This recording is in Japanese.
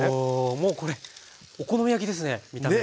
もうこれお好み焼きですね見た目。